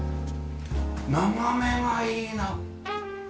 眺めがいいな。